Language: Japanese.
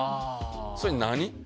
それは何？